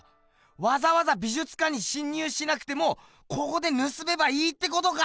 わざわざ美術館に侵入しなくてもここでぬすめばいいってことか！